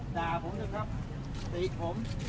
ด่าผมนะครับตีผม